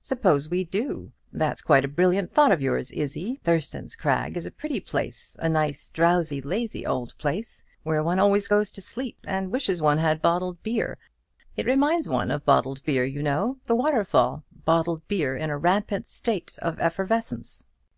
"Suppose we do. That's quite a brilliant thought of yours, Izzie. Thurston's Crag is a pretty place, a nice, drowsy, lazy old place, where one always goes to sleep, and wishes one had bottled beer. It reminds one of bottled beer, you know, the waterfall, bottled beer in a rampant state of effervescence."